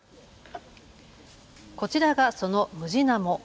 こちらがそのムジナモ。